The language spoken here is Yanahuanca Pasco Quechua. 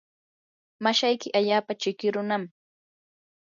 mashayki allaapa chiki runam.